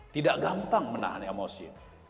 tidak gampang menahan emosi